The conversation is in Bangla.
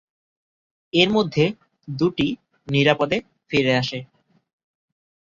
এর মধ্যে দুটি নিরাপদে ফিরে আসে।